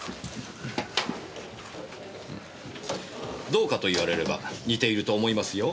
どうかと言われれば似ていると思いますよ。